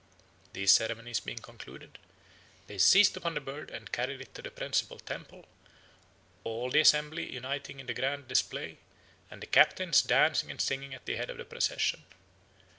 These ceremonies being concluded, they seized upon the bird and carried it to the principal temple, all the assembly uniting in the grand display, and the captains dancing and singing at the head of the procession.